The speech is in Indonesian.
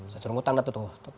saya suruh ngutang dah tuh